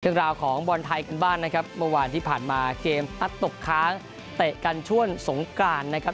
เรื่องราวของบอลไทยกันบ้างนะครับเมื่อวานที่ผ่านมาเกมพัดตกค้างเตะกันช่วงสงกรานนะครับ